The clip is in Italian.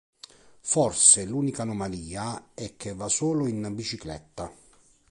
Forse, l'unica anomalia è che va solo in bicicletta.